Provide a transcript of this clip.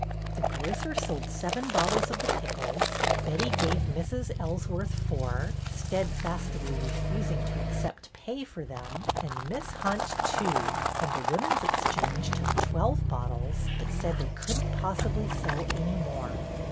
The grocer sold seven bottles of the pickles, BETTY ''IN A PICKLE'' 77 Betty gave Mrs. Ellsworth four, steadfastly refus ing to accept pay for them, and Miss Hunt two, and the Woman's Exchange took twelve bottles but said they could n't possibly sell any more.